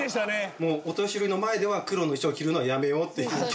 もうお年寄りの前では黒の衣装を着るのはやめようって。